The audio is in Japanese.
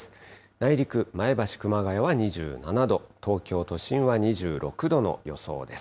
内陸、前橋、熊谷は２７度、東京都心は２６度の予想です。